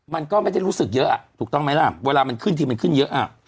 มันก็ไม่ได้รู้สึกเยอะถูกต้องไหมล่ะเวลามันขึ้นทีมันขึ้นเยอะ